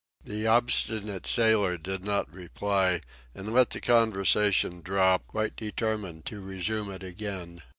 The obstinate sailor did not reply, and let the conversation drop, quite determined to resume it again.